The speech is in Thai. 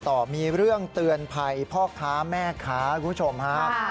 ต่อมีเรื่องเตือนภัยพ่อค้าแม่ค้าคุณผู้ชมฮะ